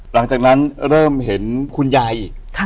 หลังจากนั้นเริ่มเห็นคุณยายอีก